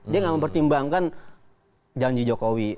dia gak mempertimbangkan janji jokowi